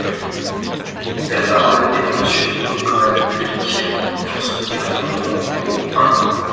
La parole est à Monsieur Nicolas Dhuicq, pour soutenir l’amendement numéro un.